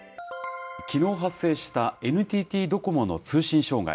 きのう発生したＮＴＴドコモの通信障害。